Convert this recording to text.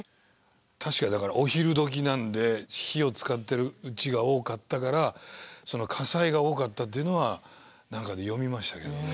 確かにだからお昼どきなので火を使ってるうちが多かったから火災が多かったっていうのは何かで読みましたけどね。